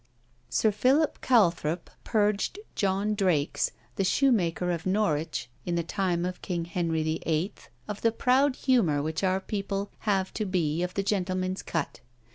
Sir Philip Calthrop purged John Drakes, the shoemaker of Norwich, in the time of King Henry VIII. of the proud humour which our people have to be of the gentlemen's cut.